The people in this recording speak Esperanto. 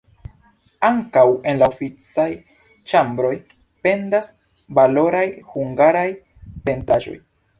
Ankaŭ en la oficaj ĉambroj pendas valoraj hungaraj pentraĵoj.